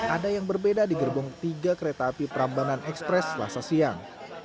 ada yang berbeda di gerbong tiga kereta api perambanan ekspres selasa siang